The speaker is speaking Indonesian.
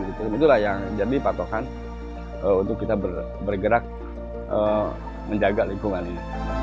itulah yang jadi patokan untuk kita bergerak menjaga lingkungan ini